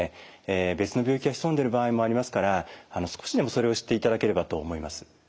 別の病気が潜んでいる場合もありますから少しでもそれを知っていただければと思います。